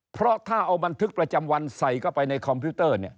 เพราะถ้าเอาบันทึกประจำวันใส่เข้าไปในคอมพิวเตอร์เนี่ย